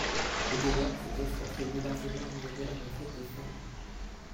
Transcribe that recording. Au-delà, ce texte contribue largement à améliorer la retraite des femmes.